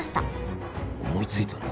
思いついたんだ。